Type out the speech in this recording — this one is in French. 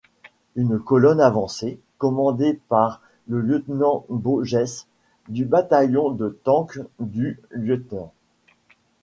Une colonne avancée, commandée par le Lt Boggess, du Bataillon de Tanks du Lt.